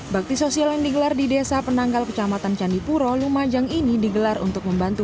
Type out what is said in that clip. bakti sosial yang digelar di desa penanggal kecamatan candipuro lumajang ini digelar untuk membantu